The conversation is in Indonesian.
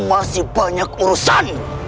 tapi dia agak kuat